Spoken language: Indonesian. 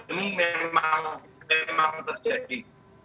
ini memang terjadi